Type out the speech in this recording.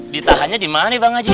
ditahannya dimana nih bang aji